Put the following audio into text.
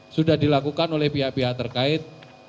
sudah dilakukan oleh pihak pihak terkait